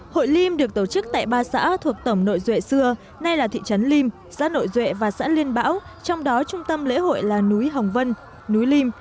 hội liêm được tổ chức tại ba xã thuộc tổng nội duệ xưa nay là thị trấn lim xã nội duệ và xã liên bão trong đó trung tâm lễ hội là núi hồng vân núi lim